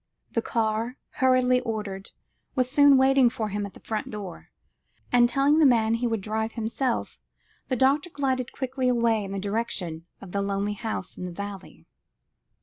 The car, hurriedly ordered, was soon waiting for him at the front door; and, telling the man he would drive himself, the doctor glided quickly away in the direction of the lonely house in the valley.